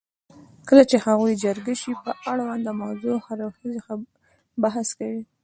کله چې هغوی جرګه شي پر اړونده موضوع هر اړخیز بحث کوي.